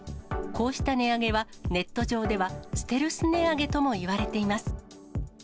こうした値上げは、ネット上ではステルス値上げともいわれています。